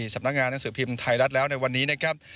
สำนักงานหนังสือพิมพ์ไทยรัฐแล้วในวันนี้นะครับ